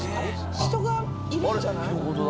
人がいるんじゃない？